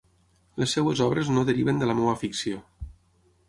Les seves obres no deriven de la meva ficció.